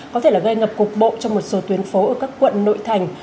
có thể là gây ngập cục bộ cho một số tuyến phố ở các quận nội thành